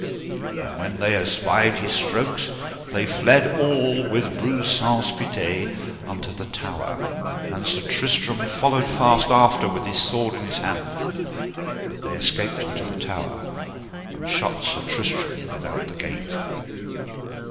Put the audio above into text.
And when they espied his strokes they fled all with Breuse Saunce Pité unto the tower, and Sir Tristram followed fast after with his sword in his hand, but they escaped into the tower, and shut Sir Tristram without the gate.